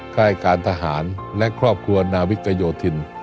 ค่ายการทหารและครอบครัวนาวิกยโยธิน